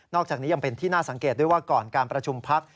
จากนี้ยังเป็นที่น่าสังเกตด้วยว่าก่อนการประชุมพัก